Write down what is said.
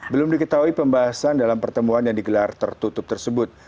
belum diketahui pembahasan dalam pertemuan yang digelar tertutup tersebut